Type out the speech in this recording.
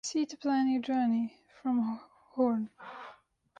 See to plan your journey from Hoorn.